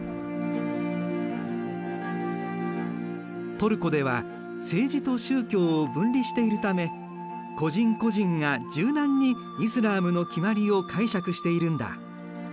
トルコでは政治と宗教を分離しているため個人個人が柔軟にイスラームの決まりを解釈しているんだ。